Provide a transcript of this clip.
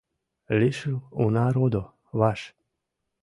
Лишыл уна-родо, Ваш!